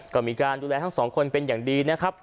ก็มีการดูแลทั้งสองคนเป็นอย่างดีนะครับ